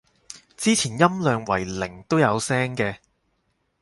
之前音量為零都有聲嘅